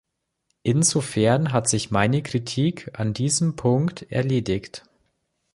Insofern hat sich meine Kritik an diesem Punkt erledigt.